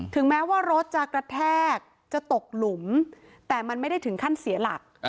แม้ว่ารถจะกระแทกจะตกหลุมแต่มันไม่ได้ถึงขั้นเสียหลัก